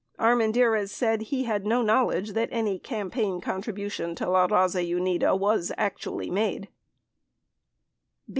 Armendariz said he had no knowledge that any campaign contribution to La Raza Unida was actually made.